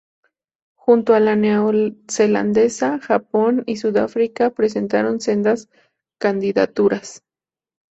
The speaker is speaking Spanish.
Junto a la neozelandesa, Japón y Sudáfrica presentaron sendas candidaturas.